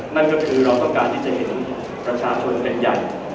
นั่นก็คือเราต้องการที่จะเห็นประชาชนเป็นใหญ่